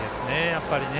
やっぱりね。